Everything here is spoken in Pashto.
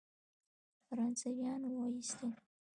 فرانسویان وایستل.